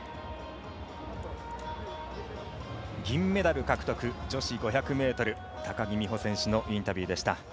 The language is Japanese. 銀メダル獲得女子５００ｍ高木美帆選手のインタビューでした。